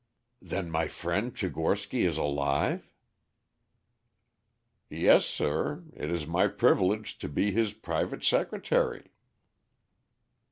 "Then my friend Tchigorsky is alive?" "Yes, sir; it is my privilege to be his private secretary."